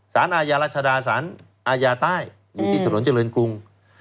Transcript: สารอาญารัชดาสารอาญาใต้อยู่ที่ถนนเจริญกรุง